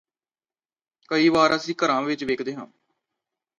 ਕਈ ਵਾਰ ਅਸੀਂ ਘਰਾਂ ਵਿਚ ਵੇਖਦੇ ਹਾਂ